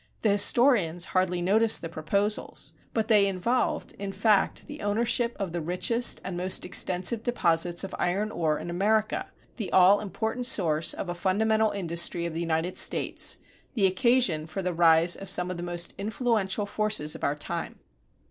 The historians hardly notice the proposals. But they involved, in fact, the ownership of the richest and most extensive deposits of iron ore in America, the all important source of a fundamental industry of the United States, the occasion for the rise of some of the most influential forces of our time.